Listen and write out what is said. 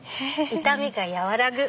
痛みが和らぐ。